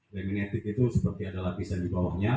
reminetik itu seperti ada lapisan di bawahnya